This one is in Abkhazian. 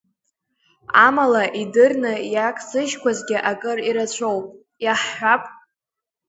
Амала, идырны иагсыжьқәазгьы акыр ирацәоуп, иаҳҳәап…